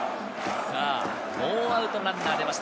ノーアウトランナー出ました。